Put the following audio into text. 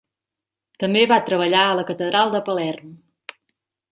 També va treballar a la catedral de Palerm.